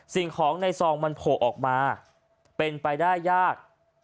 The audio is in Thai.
สิ่งของในซองมันโผล่ออกมาเป็นไปได้ยาก